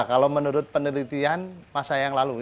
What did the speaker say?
kalau menurut penelitian masa yang lalu